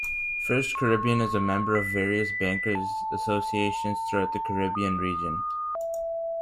FirstCaribbean is a member of various Bankers Associations throughout the Caribbean region.